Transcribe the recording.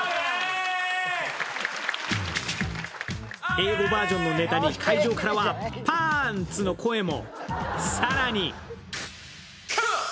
英語バージョンのネタに会場からは、「パーンツ！」の声も。